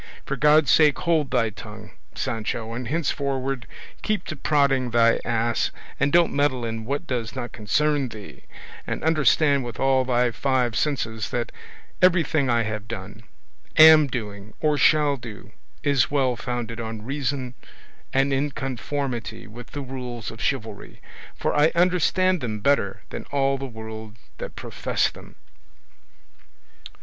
for God's sake hold thy tongue, Sancho, and henceforward keep to prodding thy ass and don't meddle in what does not concern thee; and understand with all thy five senses that everything I have done, am doing, or shall do, is well founded on reason and in conformity with the rules of chivalry, for I understand them better than all the world that profess them."